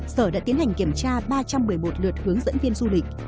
sở đã tiến hành kiểm tra ba trăm một mươi một lượt hướng dẫn viên du lịch